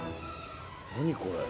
何これ。